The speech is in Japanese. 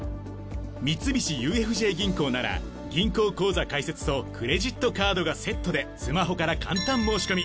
三菱ＵＦＪ銀行なら銀行口座開設とクレジットカードがセットでスマホから簡単申し込み。